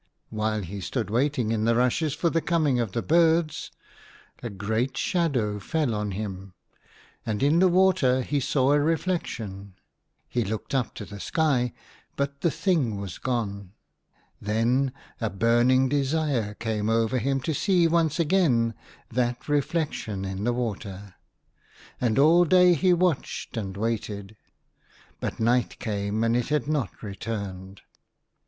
While he stood waiting in the rushes for the coming of the birds, a great shadow fell on him, and in the water he saw a reflection. He looked up to the sky ; but the thing was gone. Then a burning desire came over him to see once again that reflection in the water, and all day he watched and waited ; but night came, and it had not 26 THE HUNTER. returned.